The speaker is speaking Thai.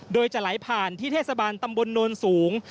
โดยจะไหลผ่านที่เทศบาลตำบลโนนสูง